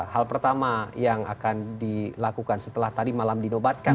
hal pertama yang akan dilakukan setelah tadi malam dinobatkan